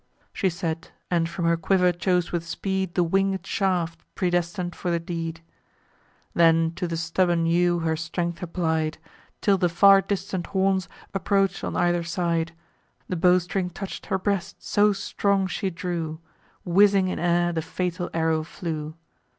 She said, and from her quiver chose with speed The winged shaft, predestin'd for the deed; Then to the stubborn yew her strength applied, Till the far distant horns approach'd on either side. The bowstring touch'd her breast, so strong she drew; Whizzing in air the fatal arrow flew.